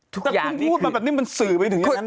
ก็คุณพูดมาแบบนี้มันสื่อไปถึงอย่างนั้นได้